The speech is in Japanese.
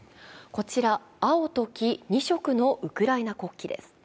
こちら青と黄、２色のウクライナ国旗です。